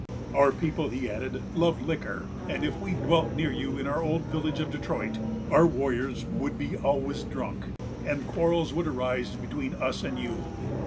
"Our people," he added, "love liquor, and if we dwelt near you in our old village of Detroit, our warriors would be always drunk, and quarrels would arise between us and you."